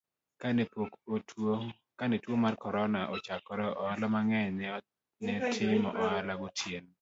Kane pok tuwo mar Corona ochakore, ohala mang'eny ne timo ohala gotieno,